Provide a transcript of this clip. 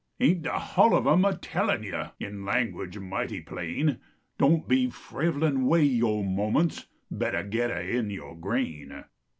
Ain t de hull of em a tellin yo In language mighty plain, Doan be frivlin way vo moments. Kettab gedder in yo grain."